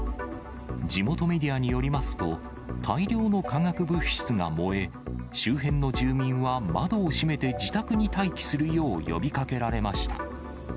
地元メディアによりますと、大量の化学物質が燃え、周辺の住民は窓を閉めて自宅に待機するよう呼びかけられました。